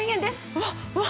うわっうわ